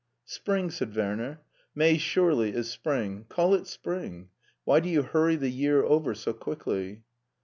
"Spring/' said Werner. "May surely is spring; call it spring. Why do you hurry the year over so quickly